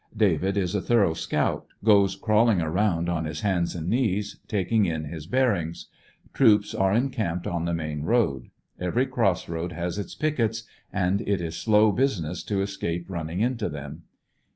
David is a thorough scout. Goes crawling around on his hands and knees taking in his bearings. Troops are encamped on the main road. Every cross road has its pickets, and it is slow business to escape running into them.